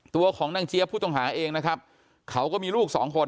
ตัวของนางเจี๊ยบผู้ต้องหาเองนะครับเขาก็มีลูกสองคน